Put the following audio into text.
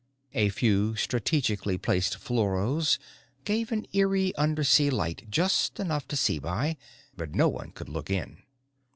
A few strategically placed fluoros gave an eerie undersea light, just enough to see by but no one could look in.